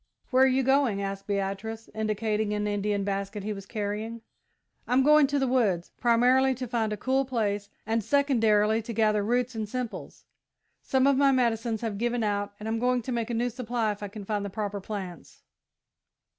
"Where are you going?" asked Beatrice, indicating an Indian basket he was carrying. "I'm going to the woods primarily, to find a cool place, and, secondarily, to gather roots and simples. Some of my medicines have given out and I'm going to make a new supply if I can find the proper plants."